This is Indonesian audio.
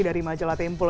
dari majalah tempul